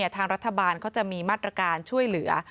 ทางรัฐบาลเขาจะมีมาตรการช่วยเหลือ